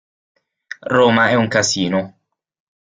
Roma è un casino.